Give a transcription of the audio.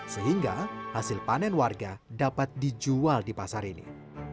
sehingga hasil panen warga dapat dijual di pasar ini